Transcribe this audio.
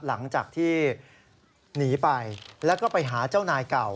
หลังจากที่หนีไปแล้วก็ไปหาเจ้านายเก่า